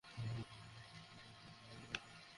তাদেরকে সত্যিটা বলতে হবে আমাদের।